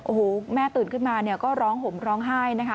โอ้โหแม่ตื่นขึ้นมาเนี่ยก็ร้องห่มร้องไห้นะคะ